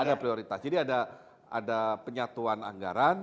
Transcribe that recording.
ada prioritas jadi ada penyatuan anggaran